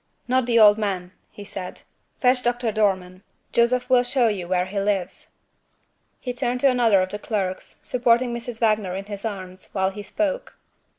"Not the old man," he said. "Fetch Doctor Dormann. Joseph will show you where he lives." He turned to another of the clerks, supporting Mrs. Wagner in his arms while he spoke.